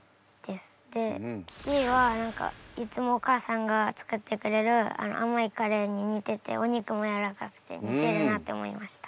Ｃは何かいつもお母さんが作ってくれる甘いカレーに似ててお肉もやわらかくて似てるなって思いました。